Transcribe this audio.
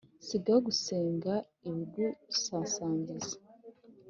sigaho gusanga ibigusasangiza